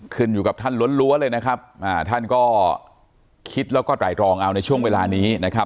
ขึ้นอยู่กับท่านล้วนล้วนเลยนะครับท่านก็คิดแล้วก็ไตรรองเอาในช่วงเวลานี้นะครับ